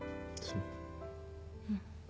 うん。